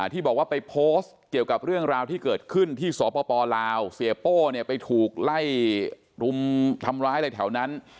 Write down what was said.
ที่บอกว่าไปโพสต์เกี่ยวกับเรื่องราวที่เกิดขึ้นที่สปลาวเสียโป้เนี่ยไปถูกไล่รุมทำร้ายอะไรแถวนั้น